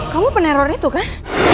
kamu peneror itu kan